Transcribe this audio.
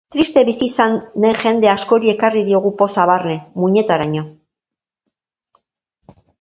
Triste bizi izan den jende askori ekarri diogu poza barne muinetaraino.